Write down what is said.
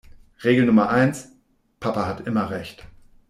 Regel Nummer eins: Papa hat immer Recht.